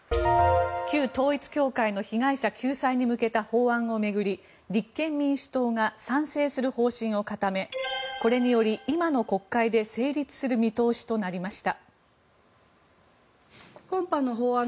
旧統一教会の被害者救済に向けた法案を巡り立憲民主党が賛成する方針を固めこれにより今の国会で成立する見通しとなりました。